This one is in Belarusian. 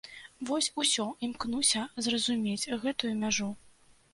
Вось усё імкнуся зразумець гэтую мяжу.